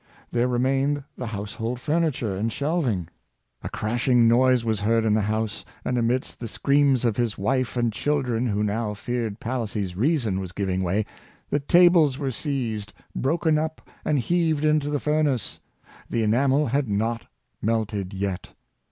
There re mained the household furniture and shelving. A crash ing noise was heard in the house, and amidst the screams of his wife and children, who now feared Pa lissy's reason was giving way, the tables were seized, broken up and heaved into the furnace. The enamel had not melted yet!